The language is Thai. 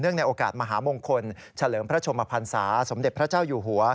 ในโอกาสมหามงคลเฉลิมพระชมพันศาสมเด็จพระเจ้าอยู่หัว